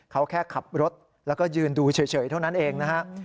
เขาแค่ขับรถแล้วก็ยืนดูเฉยเท่านั้นเองนะฮะ